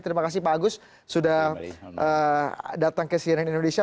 terima kasih pak agus sudah datang ke cnn indonesia